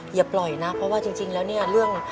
อย่าปล่อยนะเพราะว่าจริงแล้วเนี่ยเรื่อง